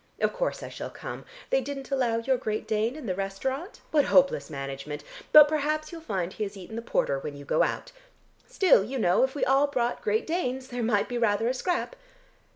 Of course I shall come. They didn't allow your great Dane in the restaurant? What hopeless management, but perhaps you'll find he has eaten the porter when you go out. Still, you know, if we all brought great Danes, there might be rather a scrap.